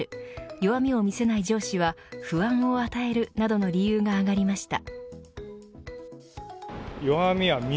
弱みを見せない上司は不安を与えるなどの理由が挙がりました。